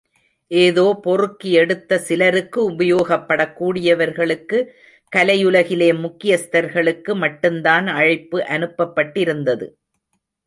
ஏதோ பொறுக்கி எடுத்த சிலருக்கு, உபயோகப்படக் கூடியவர்களுக்கு, கலை உலகிலே முக்கியஸ்தர்களுக்கு மட்டுந்தான் அழைப்பு அனுப்பப்பட்டிருந்தது.